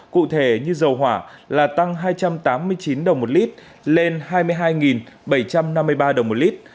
cụ thể như dầu hỏa là tăng hai trăm tám mươi chín đồng một lít lên hai mươi hai bảy trăm năm mươi ba đồng một lít